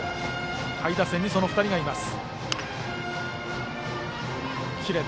下位打線にその２人がいます。